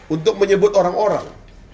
untuk menyebut orang orang